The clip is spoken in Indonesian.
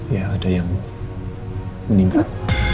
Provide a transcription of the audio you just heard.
ya ada yang meninggal